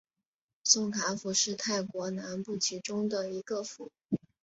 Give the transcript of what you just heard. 宋卡府是泰国南部其中的一个府。